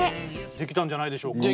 できたんじゃないでしょうか？